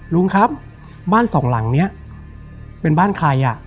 ลุงครับบ้านสองหลังนี้เป็นบ้านใครอ่ะ